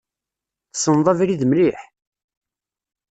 Tesneḍ abrid mliḥ?